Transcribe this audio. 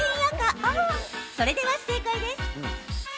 それでは正解です。